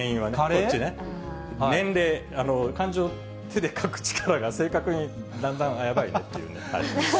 年齢、漢字を手で書く力が正確に、だんだん、やばいねっていうね。